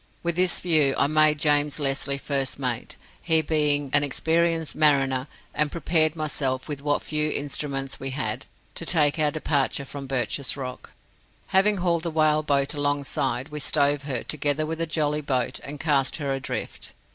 With this view, I made James Lesly first mate, he being an experienced mariner, and prepared myself, with what few instruments we had, to take our departure from Birches Rock. Having hauled the whale boat alongside, we stove her, together with the jolly boat, and cast her adrift.